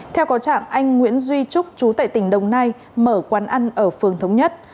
theo có trạng anh nguyễn duy trúc chú tại tỉnh đồng nai mở quán ăn ở phường thống nhất